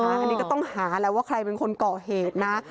อันนี้ก็ต้องหาแล้วว่าใครเป็นคนก่อเหตุนะ